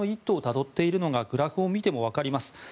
どっているのがグラフを見てもわかります。